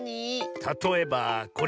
たとえばこれ！